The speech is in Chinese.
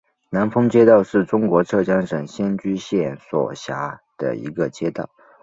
南峰街道是中国浙江省仙居县所辖的一个街道。